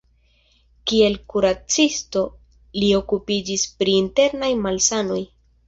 Kiel kuracisto li okupiĝis pri internaj malsanoj.